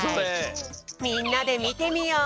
みんなでみてみよう！